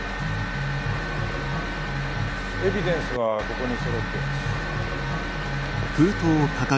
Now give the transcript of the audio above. エビデンスはここにそろっています。